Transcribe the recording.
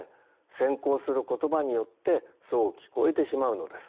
先行する言葉によってそう聞こえてしまうのです。